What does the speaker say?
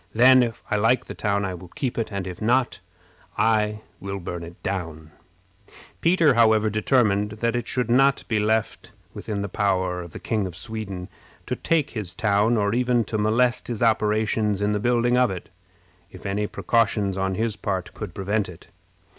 Then, if I like the town, I will keep it; and if not, I will burn it down." [Illustration: Situation at St. Petersburg.] Peter, however, determined that it should not be left within the power of the King of Sweden to take his town, or even to molest his operations in the building of it, if any precautions on his part could prevent it.